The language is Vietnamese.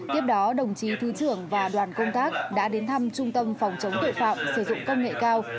tiếp đó đồng chí thứ trưởng và đoàn công tác đã đến thăm trung tâm phòng chống tội phạm sử dụng công nghệ cao